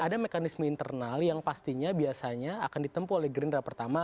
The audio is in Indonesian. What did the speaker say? ada mekanisme internal yang pastinya biasanya akan ditempuh oleh gerindra pertama